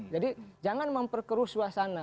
jadi jangan memperkeruswa sana